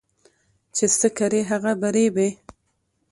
چي څه کرې هغه به رېبې